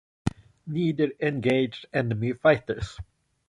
Neither engaged enemy fighters.